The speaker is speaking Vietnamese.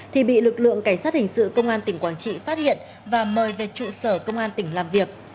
thì bị lực lượng cảnh sát hình sự công an tỉnh quảng trị phát hiện và mời về trụ sở công an tỉnh làm việc